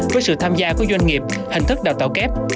với sự tham gia của doanh nghiệp hình thức đào tạo kép